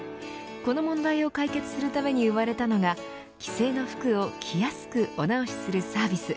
この問題を解決するために生まれたのが既製の服を着やすくお直しするサービス。